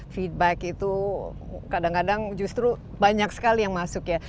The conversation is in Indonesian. feedback itu kadang kadang justru banyak sekali yang masuk ya